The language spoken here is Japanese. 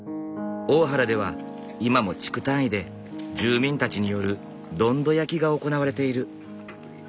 大原では今も地区単位で住民たちによるどんど焼きが行われている。